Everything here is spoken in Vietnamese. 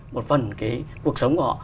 một phần cái cuộc sống của họ